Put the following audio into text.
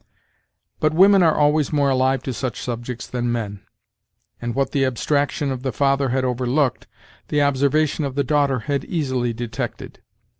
But women are always more alive to such subjects than men; and what the abstraction of the father had overlooked, the observation of the daughter had easily detected.